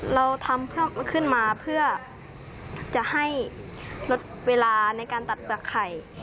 เราทำเพื่อขึ้นมาเพื่อจะให้ลดเวลาในการตัดเปลือกไข่